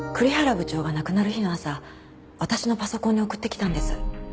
部長が亡くなる日の朝私のパソコンに送ってきたんです。